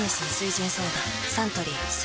サントリー「翠」